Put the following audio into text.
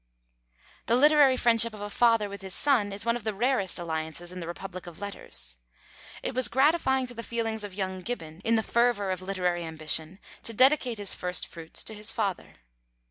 The literary friendship of a father with his son is one of the rarest alliances in the republic of letters. It was gratifying to the feelings of young Gibbon, in the fervour of literary ambition, to dedicate his first fruits to his father.